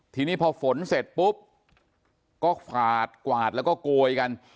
ทีนี้พอฝนเสร็จปุ๊บก็กวาดกวาดแล้วก็โกยกัน